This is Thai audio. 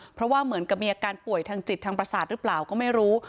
เพราะว่าเหมือนกับมีอาการป่วยทางจิตทางประสาทหรือเปล่าก็ไม่รู้